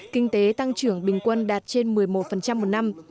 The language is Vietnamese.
kinh tế tăng trưởng bình quân đạt trên một mươi một một năm